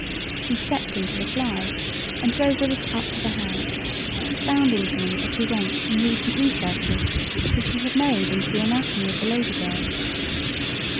He stepped into the fly and drove up with us to the house, expounding to me as we went some recent researches which he had made into the anatomy of the lady bird.